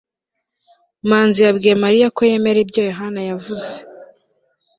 manzi yabwiye mariya ko yemera ibyo yohana yavuze